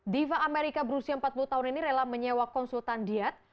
diva amerika berusia empat puluh tahun ini rela menyewa konsultan diet